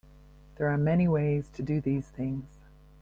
There are many ways to do these things.